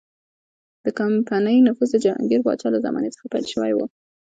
د کمپنۍ نفوذ د جهانګیر پاچا له زمانې څخه پیل شوی و.